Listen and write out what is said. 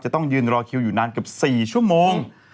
ต้องยืนรอคิวอยู่นานเกือบ๔ชั่วโมง